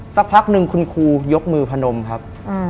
สักพักหนึ่งคุณครูยกมือพนมครับ